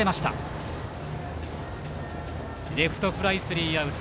レフトフライでスリーアウト。